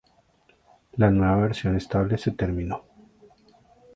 la nueva versión estable se terminó